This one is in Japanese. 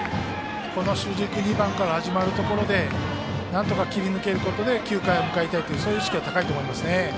この主軸２番から始まるところでなんとか切り抜けるところで９回を迎えたいという意識が高いと思います。